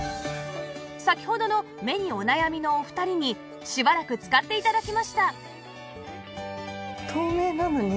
先ほどの目にお悩みのお二人にしばらく使って頂きました